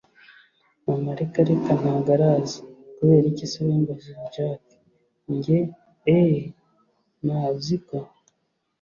mama reka reka ntago araza, kuberiki se ubimbajije jack!? njye eee! ma, uziko